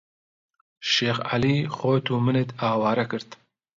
شێخ عەلی خۆت و منت ئاوارە کرد